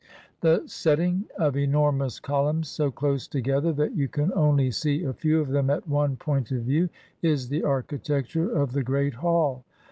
The setting of enormous columns so close together that you can only see a few of them at one point of view is the architecture of the Great Hall.